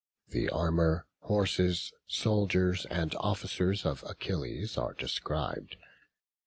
The armour, horses, soldiers, and officers of Achilles are described.